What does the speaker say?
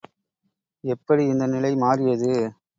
எப்படி இந்த நிலை மாறியது?